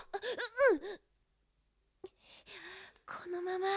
うん。